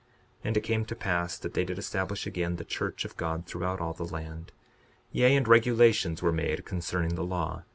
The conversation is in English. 62:46 And it came to pass that they did establish again the church of God, throughout all the land. 62:47 Yea, and regulations were made concerning the law.